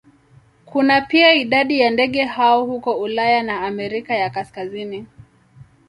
Kuna pia idadi ya ndege hao huko Ulaya na Amerika ya Kaskazini.